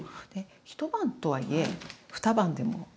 一晩とはいえ二晩でも。